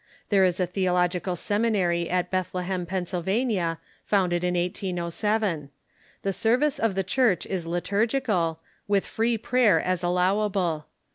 There is a theological seminary at Bethlehem, Pennsylvania, founded in 1807. The service of the Church is liturgical, with fi'ee prayer as allowable.